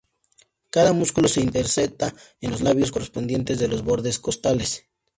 Cada músculo se inserta en los labios correspondientes de los bordes costales.